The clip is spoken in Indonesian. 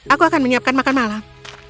aku akan menyiapkan makan malam